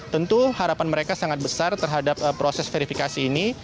tentu harapan mereka sangat besar terhadap proses verifikasi ini